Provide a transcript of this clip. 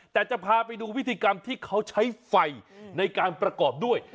แต่จะพาไปดูวิธีกรรมที่เขาใช้ไฟในการประกอบด้วย